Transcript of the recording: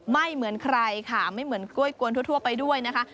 ไม่เหมือนใครค่ะไม่เหมือนกล้วยกวนทั่วไปด้วยนะคะ